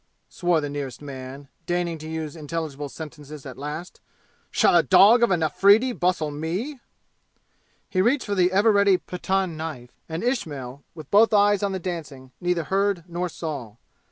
swore the nearest man, deigning to use intelligible sentences at last. "Shall a dog of an Afridi bustle me?" He reached for the ever ready Pathan knife, and Ismail, with both eyes on the dancing, neither heard nor saw.